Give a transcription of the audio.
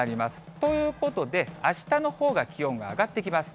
ということで、あしたのほうが気温が上がってきます。